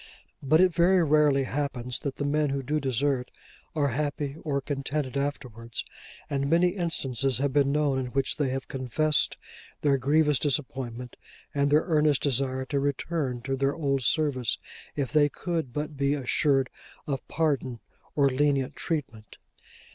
But it very rarely happens that the men who do desert, are happy or contented afterwards; and many instances have been known in which they have confessed their grievous disappointment, and their earnest desire to return to their old service if they could but be assured of pardon, or lenient treatment.